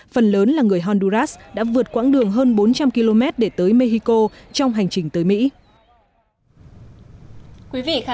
phần lớn là người honduras đã vượt quãng đường hơn bốn trăm linh km để tới mexico trong hành trình tới mỹ